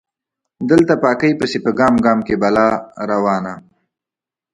دلته پاکۍ پسې په ګام ګام کې بلا روانه